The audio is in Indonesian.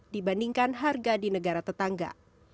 dibandingkan harga di negara tetangga